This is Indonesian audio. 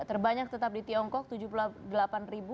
terbanyak tetap di tiongkok tujuh puluh delapan ribu